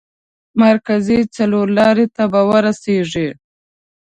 مرکزي څلور لارې ته به ورسېږئ.